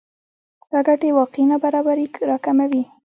دا ګټې واقعي نابرابری راکموي